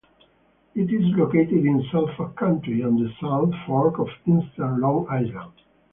It is located in Suffolk County, on the South Fork of eastern Long Island.